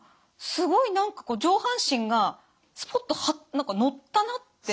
すごい何かこう上半身がすぽっと乗ったなって。